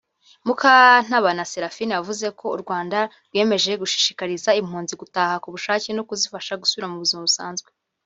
Mukantabana Seraphine yavuze ko u Rwanda rwiyemeje gushishikariza impunzi gutahuka ku bushake no kuzifasha gusubira mu buzima busanzwe